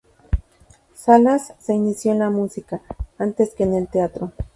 Salas se inició en la música, antes que en el teatro.